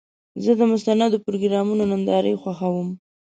زه د مستندو پروګرامونو نندارې خوښوم.